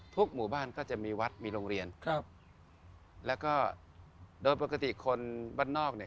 หมู่บ้านก็จะมีวัดมีโรงเรียนครับแล้วก็โดยปกติคนบ้านนอกเนี่ย